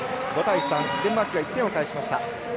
デンマークが１点を返しました。